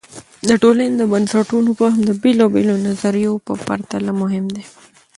د ټولنې د بنسټونو فهم د بېلابیلو نظریو په پرتله مهم دی.